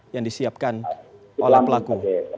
yang disiapkan oleh pelaku